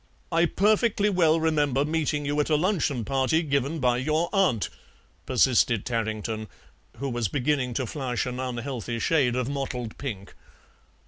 "I perfectly well remember meeting you at a luncheon party given by your aunt," persisted Tarrington, who was beginning to flush an unhealthy shade of mottled pink.